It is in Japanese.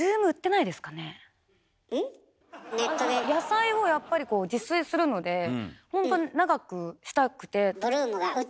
野菜をやっぱり自炊するのでほんと長くしたくて。